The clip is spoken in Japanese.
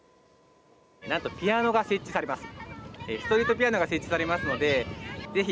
なんと、ピアノが設されます。